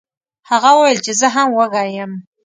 هغه وویل چې زه هم وږی یم.